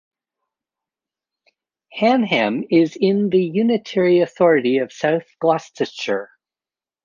Hanham is in the unitary authority of South Gloucestershire.